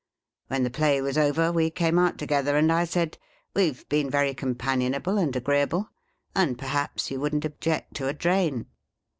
When the play was over, we came out together, and I said, ' We Ve been very companionable and agreeable, and perhaps you wouldn't object to a drain